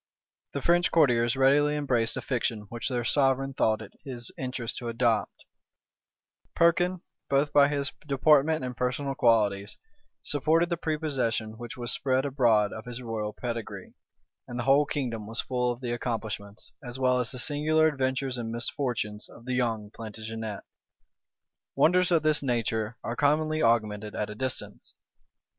The French courtiers readily embraced a fiction which their sovereign thought it his interest to adopt: Perkin, both by his deportment and personal qualities, supported the prepossession which was spread abroad of his royal pedigree: and the whole kingdom was full of the accomplishments, as well as the singular adventures and misfortunes, of the young Plantagenet. Wonders of this nature are commonly augmented at a distance.